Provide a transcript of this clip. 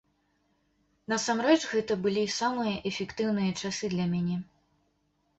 Насамрэч, гэта былі самыя эфектыўныя часы для мяне.